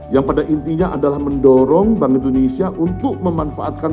yang pada intinya adalah mendorong bank indonesia untuk memanfaatkan